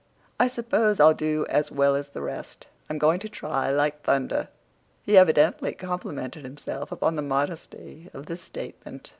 I s'pose I'll do as well as the rest. I'm going to try like thunder." He evidently complimented himself upon the modesty of this statement.